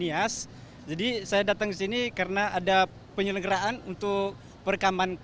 saya sebagai warga nias kabupaten nias jadi saya datang ke sini karena ada penyelenggaraan untuk perekaman ekstra